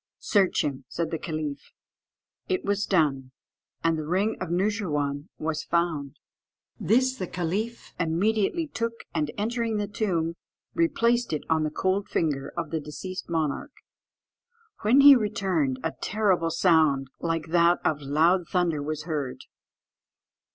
"Search him," said the caliph. It was done, and the ring of Noosheerwân was found. This the caliph immediately took, and, entering the tomb, replaced it on the cold finger of the deceased monarch. When he returned, a terrible sound like that of loud thunder was heard.